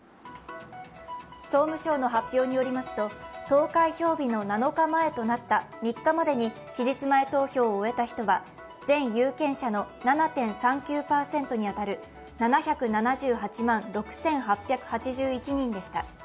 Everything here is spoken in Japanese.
総務省の発表によりますと、投開票日の７日前となった３日までに期日前投票を終えた人は全有権者の７．３９％に当たる７７８万６８８１人でした。